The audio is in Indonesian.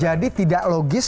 jadi tidak logis